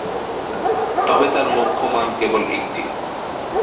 তবে তার মুখ্য মান কেবল একটি।